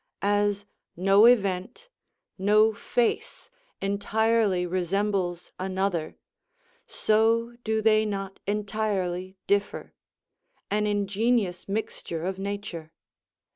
As no event, no face, entirely resembles another, so do they not entirely differ: an ingenious mixture of nature.